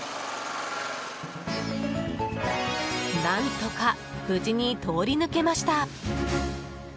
何とか無事に通り抜けました。